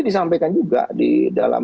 disampaikan juga di dalam